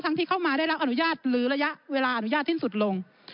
ที่เข้ามาได้รับอนุญาตหรือระยะเวลาอนุญาตสิ้นสุดลง